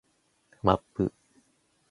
マップ